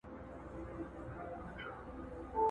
عزراییل به یې پر کور باندي مېلمه سي.!